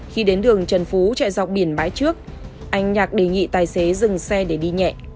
khi đến đường trần phú chạy dọc biển bãi trước anh nhạc đề nghị tài xế dừng xe để đi nhẹ